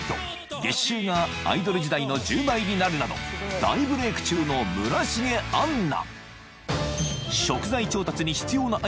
［月収がアイドル時代の１０倍になるなど大ブレーク中の村重杏奈］